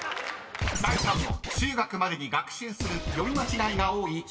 ［第３問中学までに学習する読み間違いが多い熟語］